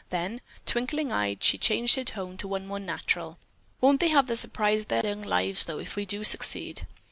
Then, twinkling eyed, she changed her tone to one more natural. "Won't they have the surprise of their young lives, though, if we do succeed?"